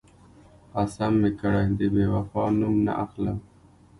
قسم مې کړی، د بېوفا نوم نه اخلم.